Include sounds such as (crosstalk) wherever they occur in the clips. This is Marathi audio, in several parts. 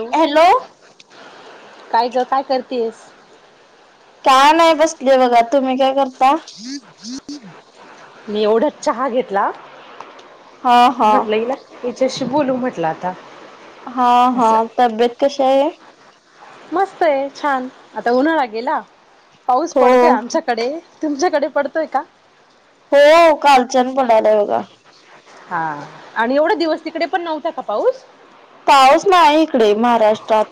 हॅलो काय काय करतेयस? का नाही बसली बघा तुम्ही काय करता. मी एवढा चहा घेतला. हा हा म्हटलं ईला याच्याशी बोलू म्हटलं आता हा हा असं तब्येत कशी आहे. मस्त आहे. छान आता उन्हाळा गेला पाऊस हो पडतोय. आमच्याकडे तुमच्याकडे पडतोय का? हो कालचन पडलाय बघा. हा आणि एवढा दिवस तिकडे पण नव्हता का पाऊस? पाऊस नाही इकडे महाराष्ट्रात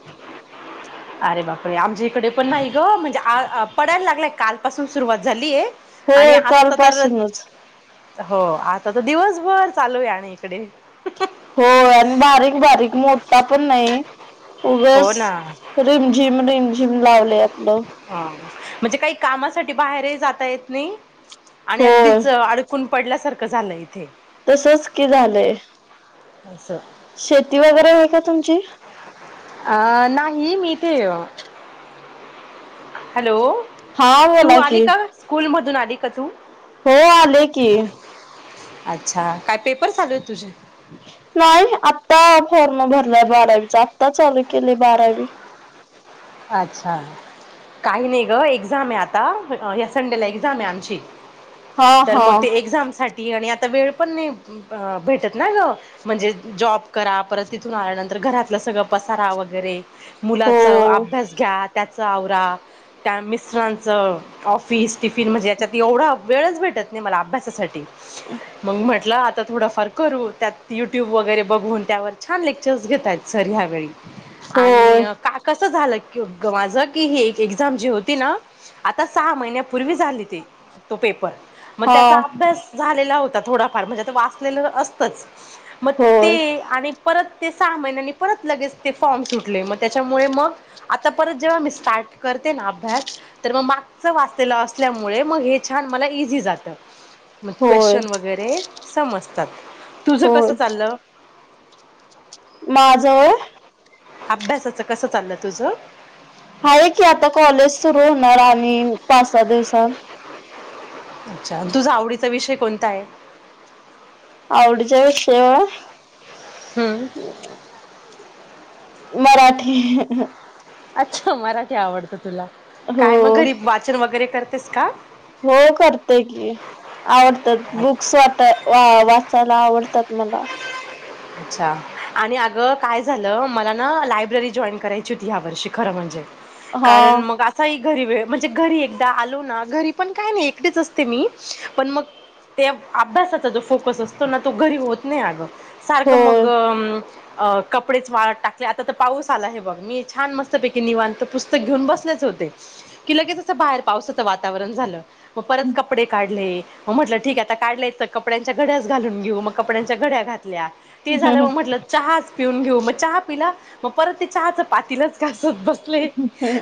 अरे बाप रे आमच्या इकडे पण नाही. गं म्हणजे पडायला लागलाय. काल पासून सुरुवात झालीय आणि होय आजता तर कालपासूनच हो आता तर दिवसभर चालू आहे. आणि इकडे हो आणि बारीक बारीक मोठा पण नाही. उग हो ना रिमझिम रिमझिम लावले. आपलं ह म्हणजे काही कामासाठी बाहेर जाता येत नाही. आणि होय अगदीच अड कून पडल्यासारखं झालं. इथे तसच की झालंय. अस शेती वगैरे आहे का तुमची? अ नाही मी ते हॅलो हा तू बोला आली की का स्कूल मधून आली का तू? हो आले की. अच्छा काय पेपर चालू आहेत तुझे? नाही आत्ता फॉर्म भरलाय बारावीचा आत्ता चालू केलीय बारावी अच्छा काही नाही गं एक्झाम आहे आता या संडेला एक्झाम आहे आमची हा तर हा मग ते एक्झाम साठी आणि आता वेळ पण नाही. भेटत ना गं म्हणजे जॉब करा परत तिथून आल्यानंतर घरातलं सगळं पसारा वगैरे मुलाचं होय अभ्यास घ्या त्याचां आवरा त्या मिस्टरांच ऑफिस टिफिन म्हणजे याच्यात एवढा वेळच भेटत नाही मला अभ्यासासाठी मग म्हटलं आता थोडाफार करू त्यात युट्यूब वगैरे बघून त्यावर छान लेक्चर्स घेतय आहेत. सर ह्यावेळी होय आणि का कस झालं. की माझ ही एक एक्झाम जी होती. ना आता सहा महिन्यापूर्वी झाली ती तो पेपर मग हा त्याचा अभ्यास झालेला होता. थोडाफार म्हणजे ते वाचलेलं असतंच. मग होय ते आणि परत ते सहा महिन्यांनी परत लगेच. ते फॉर्म सुटले मग त्याच्यामुळे मग आता परत जेव्हा मी स्टार्ट करते. ना अभ्यास तर मग मागचं वाचलेलं असल्यामुळे मग हे छान मला इझी जातं. मग होय क्वेशन वगैरे समजतात. तुझं कसं होय चाललं? माझ होय अभ्यासाच कसं चाललं तुझं? हाये की, आता कॉलेज सुरू होणार आणि पाचसा दिवसात. अच्छा, तुझा आवडीचा विषय कोणता आहे? आवडीचा विषय होय? हूम. मराठी (inaudible) अच्छा, मराठी आवडतो तुला, हो काय मग घरी वाचन वगैरे करतेस का? हो करते की, आवडतात बुक्स वाटाय वा वाचायला आवडतात मला. अच्छा आणि आगं काय झालं? मला ना लायब्ररी जॉईन करायची होती, ह्या वर्षी खरं म्हणजे हा कारण मग आ घरी वेळ म्हणजे घरी एकदा आलो ना घरी पण काय नाही एकटीच असते मी, पण मग ते अभ्यासाचा जो फोकस असतो ना, तो घरी होत नाही आगं. सारखं मग होय अ म अ कपडेच वाळत टाकले आता तर पाऊस आला हे बघ, मी छान मस्तपैकी निवांत पुस्तक घेऊन बसलेच होते कि लगेच असं बाहेर पावसाचं वातावरण झालं, मग परत कपडे काढले म म्हटलं ठीक आहे, आता काढलयचं तर कपड्यांच्या गड्याच घालून घेऊ. मग कपड्यांच्या गड्या घातल्या. ते झालं मग म्हटलं चहाच पिऊन घेऊ, मग चहा पिला, मग परत ते चहाच पातीलच घासत बस ले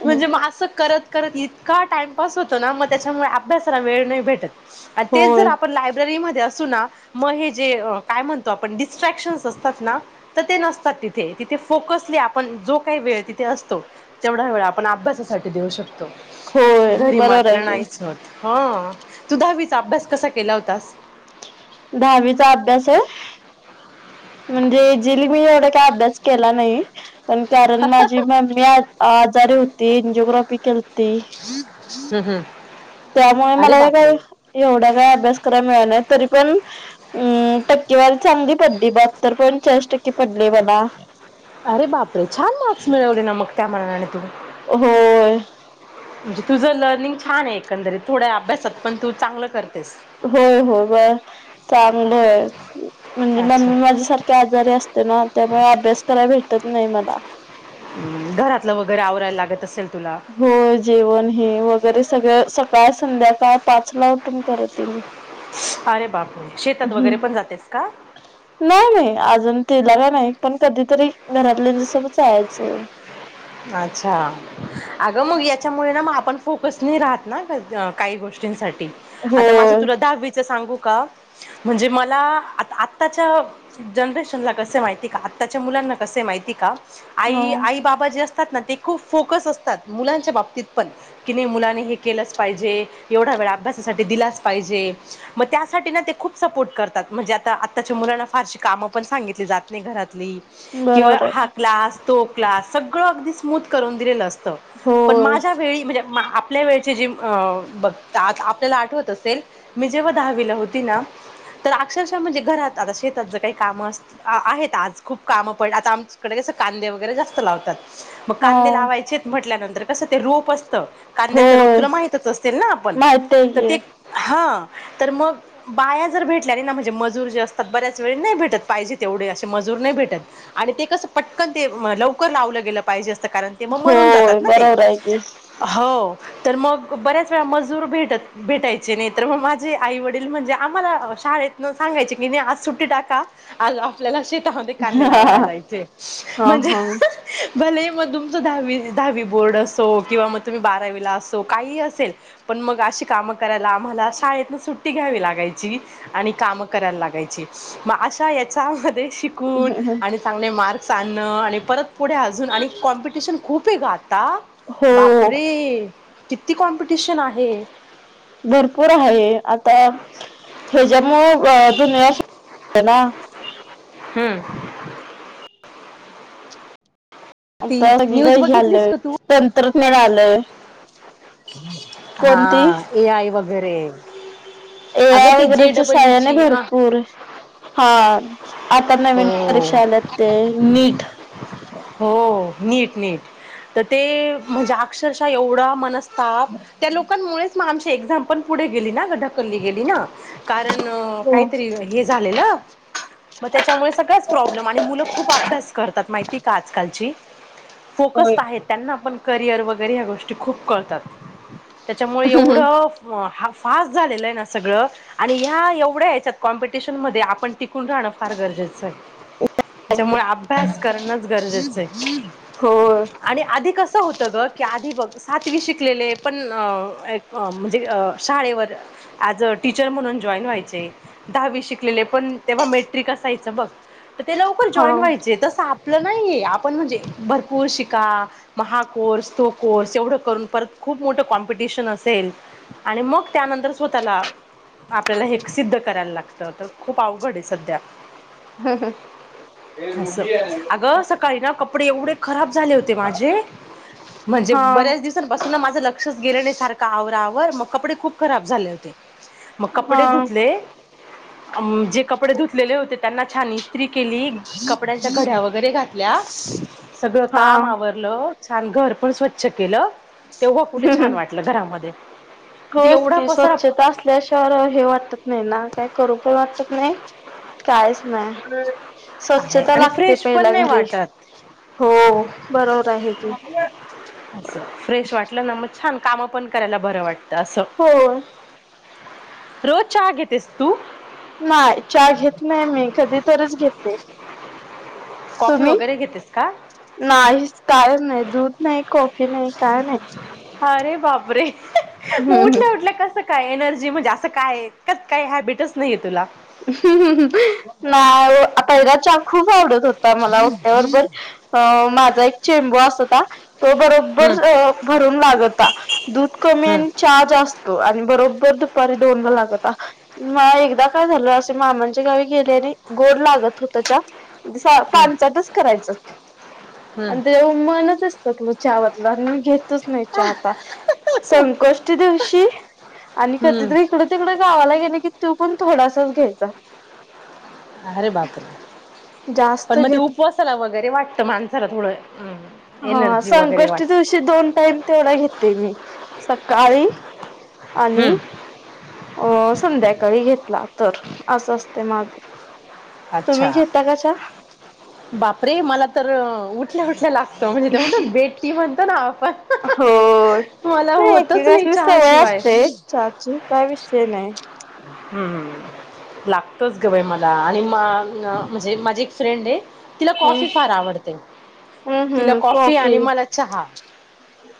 म्हणजे आस करत करत इतका टाइमपास होतो ना, मग त्याच्यामुळे अभ्यासाला वेळ नाही भेटत. आणि तेच जर होय आपण लायब्ररीमध्ये असू ना, मग हे जे काय म्हणतो आपन डीस ट्रॅक्शन्स असतात ना तर ते नसतात तिथे, तिथे फोकसली आपण जो काही वेळ तिथे असतो तेवढा वेळ आपण अभ्यासासाठी देऊ शकतो. होय घरी बरोबर आहे मात्र की नाहीच होत. हा तू दहावीचा अभ्यास कसा केला होतास? दहावीचा अभ्यास होय. म्हणजे जीली मी एवढा काय अभ्यास केला नाही. पण कारण माझी मम्मी आ आजारी होती, एनजिओग्राफी केली होती. हू हू. त्यामुळे मला काय एवढा काय अभ्यास कराय मिळाय नाही तरी पण हूम टक्केवारी चांगली पडली, बहात्तर पॉईंट चाळीस टक्के पडली मला. आरे बापरे! छान मार्क्स मिळवले ना, मग त्या माणाने तुम्ही? हो. म्हणजे तुझं लर्निंग छान आहे, एकंदरीत थोड्या अभ्यासात पण तू चांगलं करतेस. होय होय, बर चांगलं आहे म्हणजे अच्छा ममी माझीसारख खि आजारी असत्या ना, त्यामुळे अभ्यास करायला भेटत नाही मला. घरातलं वगैरे आवरायला लागत असेल तुला. हो जेवण हे वगैरे सगळं सकाळ, संध्याकाळ पाच ला उटून करते मी अरे बापरे शेतात वगैरे हम् पण जातेस का नाही नाही अजून तीला काय नाही पण, कधीतरी घरातल्यानसोबतच जायचं. अच्छा, आगं मग याच्यामुळे ना मग आपण फोकस नाही राहात ना काही गोष्टींसाठी. आता माझं होय तुला दहावीच सांगू का? म्हणजे मला आ आत्ताच्या जनरेशनला कसे माहिती का आत्ताच्या मुलांना कसे माहिती का हा आई आई बाबा जे असते असतात ना ते खूप फोकस असतात मुलांच्या बाबतीत पण की नाही मुलानी हे केलंच पाहिजे एवढा वेळा अभ्यासासाठी दिलाच पाहिजे मग त्यासाठी ना ते खूप सपोर्ट करतात म्हणजे आता आत्ताच्या मुलांना फारशी कामं पण सांगितली जात नाही घरातली किंवा बरोबर आहे हा क्लास तो क्लास सगळं अगदी स्मूथ करून दिलेलं असतं पण होय. माझ्या वेळी म्हणजे आप आपल्या वेळची जी बघतात आपल्याला आठवत असेल मी जेव्हा दहावीला होती ना तर अक्षरशः म्हणजे घरात आता शेतात जर काही काम अस आहेत आज खूप कामं पण आता इकडे कस कांदे वगैरे जास्त लावतात मग हा कांदे लावायचेत म्हटल्यानंतर कसं ते रोप असत कांद्याचं रोप होय तुला माहितच असे ना आपण माहित आहे तर की ते हा तर मग बाया जर भेटल्या नाही ना म्हणजे मजूर जे असतात बऱ्याच वेळी नाही भेटत पाहिजे तेवढे असे मजूर नाही भेटत आणि ते कसं पटकन ते लवकर लावलं गेलं पाहिजे असत कारण ते मग मरून होय जातात ना ते बरोबर आहे की. हो तर मग बऱ्याच वेळा मजूर भेटत भेटायचे नाही तर मग माझे आई वडील म्हणजे आम्हाला शाळेत न सांगायचे की नाही आज सुट्टी टाका आज आपल्याला शेत शेता कांदे लावायला हा जायचे म्हणजे हा भले मग तुमचं दहावी दहावी बोर्ड असो किंवा मग तुम्ही बारावीला असो काही असेल पण मग अशी कामं करायला आम्हाला शाळेतन सुट्टी घ्यावी लागायची आणि काम करायला लागायची मग अशा याच्यामध्ये शिकून आणि चांगले मार्क्स आणणं आणि परत पुढे अजून आणि कॉम्पिटिशन खूप खूप ये ग आता हो बापरे किती कॉम्पिटिशन आहे भरपूर आहे आता हेज्या मुळ अ दुनिया (inaudible) हम्म ती आता सग न्यूज बघितलीस झालं का तू तंत्रज्ञ आलंय हा कोणती ए आय वगैरे ए अगं आय ती जे डबल वगैरेच्या (inaudible) ने ईची अ भरपूर हा आता हो नवीन परीक्षा आल्यात ते नीट हो नीट नीट तर ते म्हणजे अक्षरशः एवढा मनस ताप त्या लोकांमुळेच मग आमची एक्झामपण पुढे गेली ना ढकलली गेली ना कारण हो काहीतरी हे झालेलं मग त्याच्यामुळे सगळाच प्रॉब्लेम आणि मुलं खूप अभ्यास करतात माहिती आजकालची फोकस होय. आहे त्यांना पण करिअर वगैरे ह्या गोष्टी खूप कळतात त्याच्यामुळ एवढं हा फास्ट झालेलं आहे ना सगळं आणि ह्या एवढ्या याच्यात कॉम्पिटिशन मध्ये आपण टिकून राहणं फार गरजेचं आहे त्याच्यामुळे अभ्यास करणच होय आणि आधी कसं होतं ग की आधी बघ सातवी शिकलेले पण अ म्हणजे अ शाळेवर आज अ टीचर म्हणून जॉईन व्हायचे दहावी शिकलेले पण तेव्हा मेट्रिक असायचं बघ तर ते लवकर हा जॉईन व्हायचे तस आप आपलं नाहीये आपण म्हणजे भरपूर शिका म हा कोर्स तो कोर्स एवढं करून परत खूप मोठं कॉम्पिटिशन असेल आणि मग त्यानंतर स्वतःला आपल्याला हे सिद्ध करायला लागतं तर खूप अवघड आहे सध्या ह ह असं अगं (inaudible) सकाळी ना एवढे कपडे खराब झाले होते माझे, म्हणजे हा बऱ्याच दिव सापासून माझं लक्षच गेलं सारखं आवरावर, मग कपडे खूप खराब झाले होते. मग कपडे हा धुतले, जे कपडे धुतलेले होते त्यांना छान इस्तरी केली, कपड्यांच्या घड्या वगैरे घातल्या, सगळं हा काम आवर लं, छान घर पण स्वच्छ केलं, तेव्हा कुठे छान वाटलं घरामध्ये. ते होयच एवढा की, पसारा स्वच्छता असल्याशिवार हे वाटत नाही ना, काही करू पण वाटत नाही. कायच नाही. आहे स्वच्छता आणि लागते फ्रेश पण पहिला नाही घरी. वाटत हो, बरोबर आहे की. असं, फ्रेश वाटलं ना मग छान काम पण करायला बरं वाटतं, असं. हो. रोज चहा घेतेस तू? नाय, चहा घेत नाही मी कधीतरीच घेते. कॉफी तुम्ही वगैरे घेतेस का? नाही, काय नाही, दूध नाही, कॉफी नाही, काय नाही. अरे बापरे, मग हम्म उठल्या, उठल्या कस काय एनर्जी म्हणजे, असं काय (unintelligible) हॅबिटच नाहीये तुला? (unintelligible) नाय, पहीला चा खूप आवडत होता मला उठ्या बरोबर अ माझा एक चेंबो असोता. तो बरोबर हम्म भरून लागता, दूध कमी हम्म आणि चा जास्त आणि बरोबर दुपारी दोनला लागता, (unintelligible) एकदा काय झालं, असे मामांच्या गावी गेले आणि गोड लागत होता चा सा हम्म पांचाटच करायचं हम्म आणि तेव्हा मनच हिस कल चा वरन (unintelligible) घेतच नाही चा आता, संकष्टी दिवशी आणि कधीतरी हम्म हिकड तिकड गावाला गेले की, तो पण थोडासाच घ्यायचा. अरे बापरे, जास्त पण मग ते घेत उपवासाला वगैरे वाटतं माणसाला थोडं. हं. हा, संकष्टी दिवशी दोन टाईम तेवढा घेते मी, सकाळी आणि हम्म अ संध्याकाळी घेतला तर, असं असतय माझं. तुम्ही अच्छा, घेता का चहा? बापरे मला तर उठ ल्या, कुठल्या लागतो, म्हणजे ते म्हणत बेड टी म्हणतो ना आपण. होय. मला नाही, होतच नाही एकेकासनी सवय चहाशिवाय असते चहाची, काय विषय नाही. हं, हं, हं लागतोच ग बाई मला आणि म म्हणजे माझी एक फ्रेंड आहे तिला हम्म कॉफी फार आवडते, हम्म तिला हम्म कॉफी आणि मला चहा.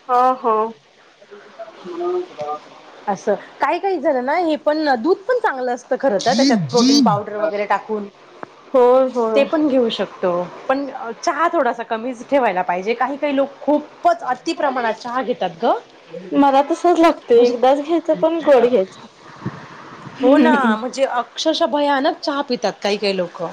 हा, हो. असं काही, काही जणांना हे पण, दूध पण चांगलं अस खर तर त्याच्यात प्रोटीन पावडर वगैरे टाकून, होय ते पण होय घेऊ शक तो, पण चहा थोडासा कमीच ठेवायला पाहिजे, काही काही लोक खूप (unintelligible) मला तसच लागतंय, म्हणजे एकदाच घ्यायचं पण थोडं घ्यायचं. हो ना (unintelligible) म्हणजे अक्षरशः भयानक चहा पितात काही, काही लोक.